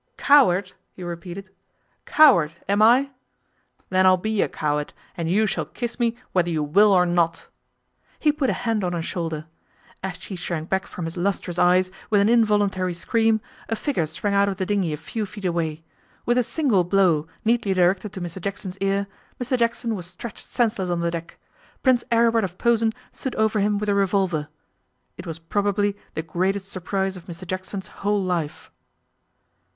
'Coward!' he repeated. 'Coward, am I? Then I'll be a coward, and you shall kiss me whether you will or not.' He put a hand on her shoulder. As she shrank back from his lustrous eyes, with an involuntary scream, a figure sprang out of the dinghy a few feet away. With a single blow, neatly directed to Mr Jackson's ear, Mr Jackson was stretched senseless on the deck. Prince Aribert of Posen stood over him with a revolver. It was probably the greatest surprise of Mr Jackson's whole life.